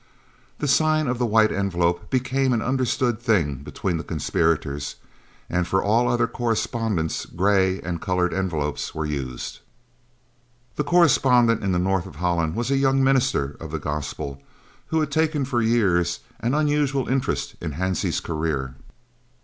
The sign of the White Envelope became an understood thing between the conspirators, and for all other correspondence grey and coloured envelopes were used. The correspondent in the north of Holland was a young minister of the Gospel who had taken for years an unusual interest in Hansie's career.